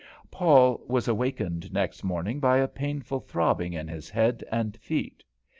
Paul was awakened next morning by a painful throbbing in his head and feet.